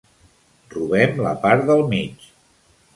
Robem la part del mig.